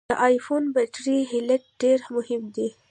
د ای فون بټري هلټ ډېر مهم دی.